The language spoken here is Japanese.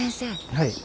はい。